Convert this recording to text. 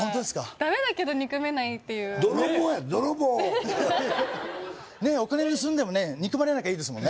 ダメだけど憎めないっていう泥棒や泥棒ねえお金盗んでもね憎まれなきゃいいですもんね